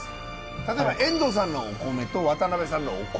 例えば遠藤さんのお米と渡部さんのお米。